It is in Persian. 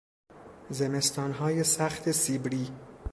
زمستانهای سخت سیبری